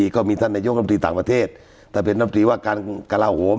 ก็มีท่านนายโยชน์รับผิดต่างประเทศถ้าเป็นรับผิดว่าการกระล่าวโหม